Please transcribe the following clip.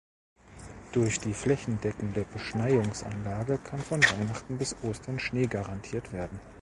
Durch die flächendeckende Beschneiungsanlage kann von Weihnachten bis Ostern Schnee garantiert werden.